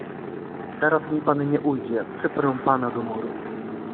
"Teraz mi pan nie ujdzie, przyprę pana do muru."